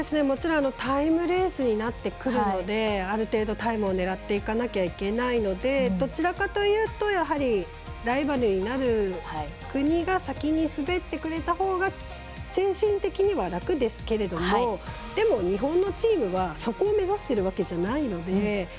もちろんタイムレースになってくるのである程度タイムを狙っていかなきゃいけないのでどちらかというとやはり、ライバルになる国が先に滑ってくれたほうが精神的には楽ですけれどもでも、日本のチームはそこを目指しているわけじゃないので。